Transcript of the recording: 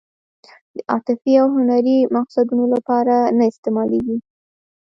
د عاطفي او هنري مقصدونو لپاره نه استعمالېږي.